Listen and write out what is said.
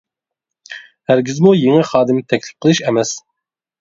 ھەرگىزمۇ يېڭى خادىم تەكلىپ قىلىش ئەمەس.